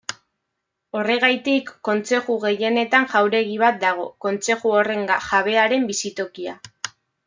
Horregatik, kontzeju gehienetan jauregi bat dago, kontzeju horren jabearen bizitokia.